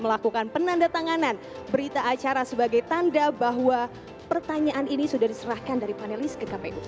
melakukan penanda tanganan berita acara sebagai tanda bahwa pertanyaan ini sudah diserahkan dari panelis ke kpu